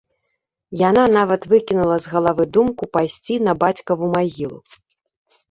Яна нават выкінула з галавы думку пайсці на бацькаву магілу.